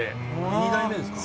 ２代目ですか？